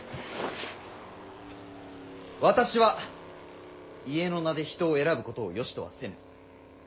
私は家の名で人を選ぶことをよしとはせぬ。